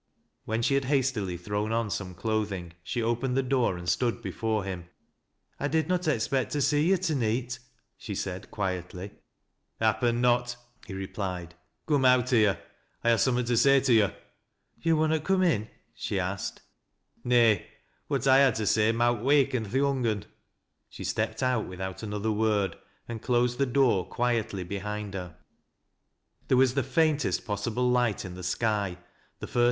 When she had hastily thrown on some clothing, she opened the door and stood before him. " I did not expect to see yo' to neet," she said, quietly. "Happen not," he replied. "Coom out here. I ha' Bummat to say to yo'." " To' wunnot come in ?" she asked. "Nay. What I ha' to say mowt waken th' young un." She stepped out without another word, and closed the f^x*r quietly behind her.. There was the faintest possible light in the sky, the first